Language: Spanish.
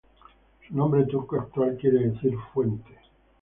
Su nombre turco actual quiere decir "fuente".